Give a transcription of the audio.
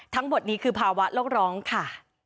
ทั้งหมดนี้คือภาวะโลกร้องค่ะ